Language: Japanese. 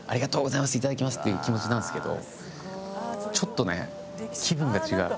「いただきます」っていう気持ちなんですけどちょっとね気分が違う。